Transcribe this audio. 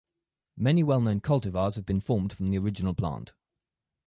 Many well known cultivars have been formed from the original plant.